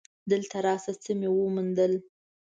دلته راشه څه مې وموندل.